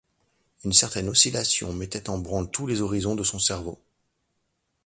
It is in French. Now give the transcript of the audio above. Une certaine oscillation mettait en branle tous les horizons de son cerveau.